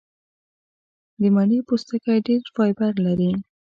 د مڼې پوستکی ډېر فایبر لري.